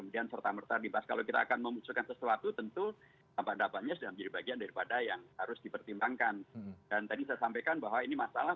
dan tadi saya sampaikan bahwa ini masalah